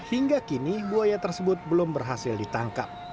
hingga kini buaya tersebut belum berhasil ditangkap